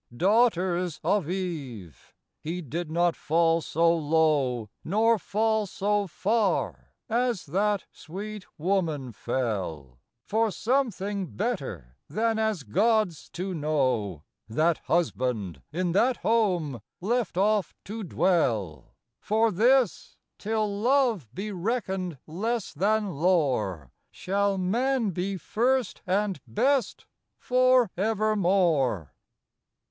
Daughters of Eve ! he did not fall so low, Nor fall so far, as that sweet woman fell, For something better, than as gods to know, That husband in that home left off to dwell: For this, till love be reckoned less than lore, Shall man be first and best for evermore.